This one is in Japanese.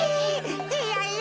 いやいや。